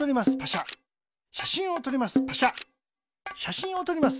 しゃしんをとります。